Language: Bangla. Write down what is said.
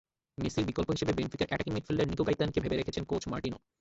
মেসির বিকল্প হিসেবে বেনফিকার অ্যাটাকিং মিডফিল্ডার নিকো গাইতানকে ভেবে রেখেছেন কোচ মার্টিনো।